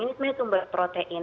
ini sebenarnya sumber protein